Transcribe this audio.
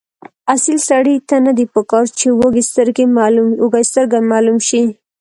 اصیل سړي ته نه دي پکار چې وږسترګی معلوم شي.